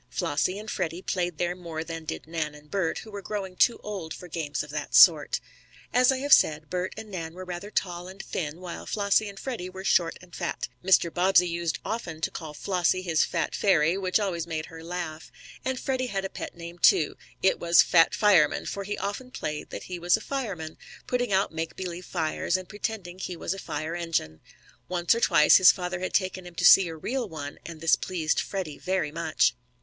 Flossie and Freddie played there more than did Nan and Bert, who were growing too old for games of that sort. As I have said, Bert and Nan were rather tall and thin, while Flossie and Freddie were short and fat. Mr. Bobbsey used often to call Flossie his "Fat Fairy," which always made her laugh. And Freddie had a pet name, too. It was "Fat Fireman," for he often played that he was a fireman; putting out makebelieve fires, and pretending he was a fire engine. Once or twice his father had taken him to see a real one, and this pleased Freddie very much.